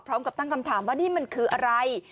พร้อมกับตั้งคำถามว่านี่มันคืออะไร